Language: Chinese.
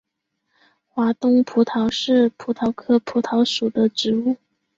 华东葡萄是葡萄科葡萄属的植物。